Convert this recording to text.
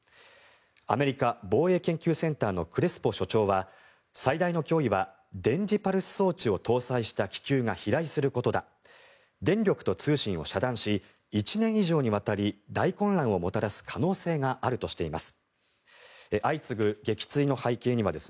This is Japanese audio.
アメリカ防衛研究センターのクレスポ所長は最大の脅威は電磁パルス装置を搭載した気球が飛来することだ電力と通信を遮断し１年以上にわたり大混乱をもたらす可能性があるとしています。